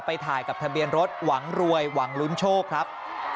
ถ่ายกับทะเบียนรถหวังรวยหวังลุ้นโชคครับ